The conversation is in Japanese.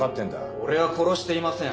俺は殺していません。